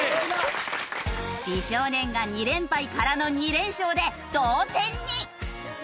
美少年が２連敗からの２連勝で同点に！